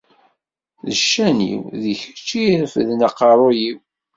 D ccan-iw, d kečč i ireffden aqerru-w.